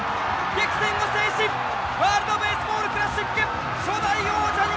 激戦を制しワールドベースボールクラシック初代王者に輝きました！